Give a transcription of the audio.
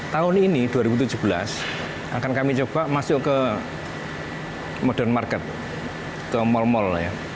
tahun ini dua ribu tujuh belas akan kami coba masuk ke modern market ke mal mall